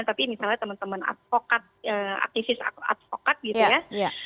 tapi misalnya teman teman aktifis advokat gitu ya